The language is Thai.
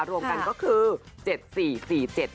รวมกันก็คือ๗๔๔๗